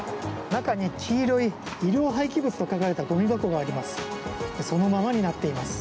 中に黄色い医療廃棄物と書かれたごみ箱があります。